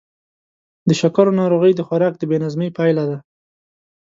د شکرو ناروغي د خوراک د بې نظمۍ پایله ده.